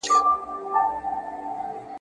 نه په ژمي نه په اوړي څوک آرام وو !.